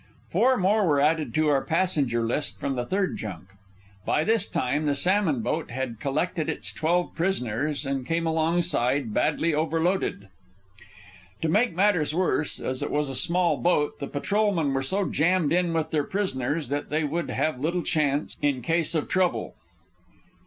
Four more were added to our passenger list from the third junk. By this time the salmon boat had collected its twelve prisoners and came alongside, badly overloaded. To make matters worse, as it was a small boat, the patrolmen were so jammed in with their prisoners that they would have little chance in case of trouble.